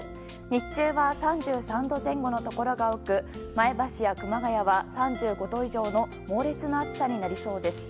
日中は３３度前後のところが多く前橋や熊谷は３５度以上の猛烈な暑さになりそうです。